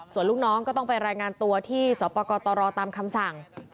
ส่วนลูกน้องก็ต้องไปรายงานตัวที่สปกตรตามคำสั่ง